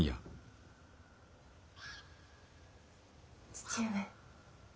・父上。